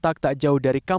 jika ada jurusan ke tiga